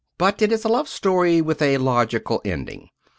But it is a love story with a logical ending.